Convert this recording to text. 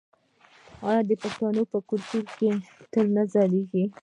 آیا د پښتنو کلتور به تل نه ځلیږي؟